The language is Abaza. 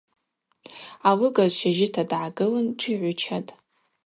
Алыгажв щажьыта дгӏагылын тшигӏвычатӏ.